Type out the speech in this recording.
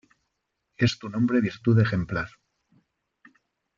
Es tu nombre virtud ejemplar.